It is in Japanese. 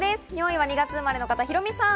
４位は２月生まれの方、ヒロミさん。